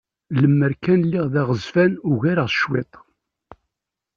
Lemmer kan lliɣ d aɣezfan ugar s cwiṭ!